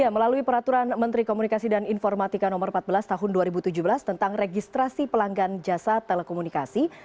melalui peraturan menteri komunikasi dan informatika no empat belas tahun dua ribu tujuh belas tentang registrasi pelanggan jasa telekomunikasi